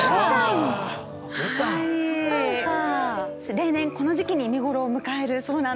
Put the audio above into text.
例年この時期に見頃を迎えるそうなんです。